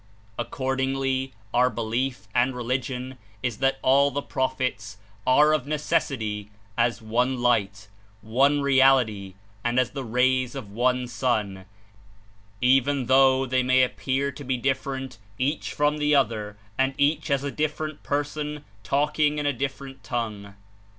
Accordingly, our" belief and religion is that all the Prophets are of necessity as one light, one reality and as the rays of one sun, even though they may appear to be different each from the other and each as a dif ferent person talking in a different tongue.